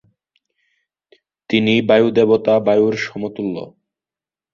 তিনি বায়ু দেবতা বায়ুর সমতুল্য।